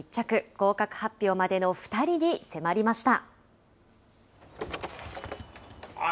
合格発表までの２人に迫りました。